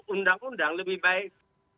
undang undang lebih baik